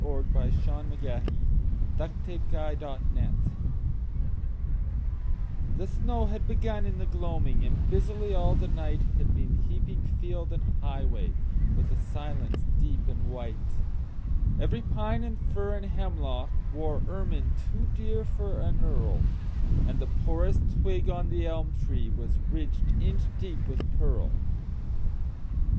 1900. By James RussellLowell 351 The First Snow Fall THE SNOW had begun in the gloaming, And busily all the nightHad been heaping field and highwayWith a silence deep and white. Every pine and fir and hemlockWore ermine too dear for an earl, And the poorest twig on the elm treeWas ridged inch deep with pearl.